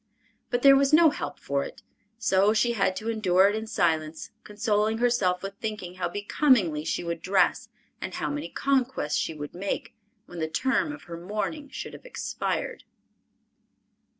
But there was no help for it, so she had to endure it in silence, consoling herself with thinking how becomingly she would dress and how many conquests she would make, when the term of her mourning should have expired!